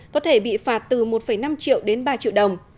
có thể bị phạt từ một năm triệu đến ba triệu đồng